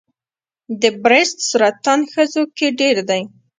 د بریسټ سرطان ښځو کې ډېر دی.